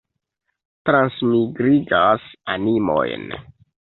Transmigrigas animojn.